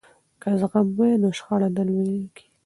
که زغم وي نو شخړه نه لویږي.